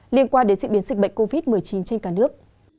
liên quan đến diễn biến dịch bệnh covid một mươi chín trên cả nước